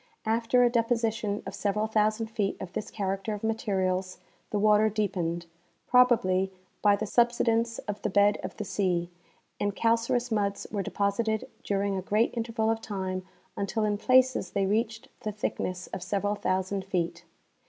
After a deposition of several thousand feet of this character of materials the water deepened, probably by the subsidence of the bed of the sea, and calcareous muds were deposited during a great interval of time until in places they reached the thickness of several thousand feet.